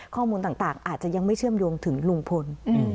ข้อมูลต่างอาจจะยังไม่เชื่อมโยงถึงลุงพล